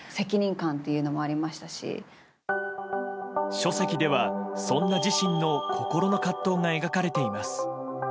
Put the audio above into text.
書籍では、そんな自身の心の葛藤が描かれています。